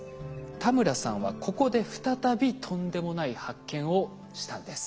田村さんはここで再びとんでもない発見をしたんです。